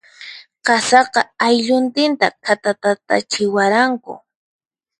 Qasaqa, aylluntinta khatatatachiwaranku.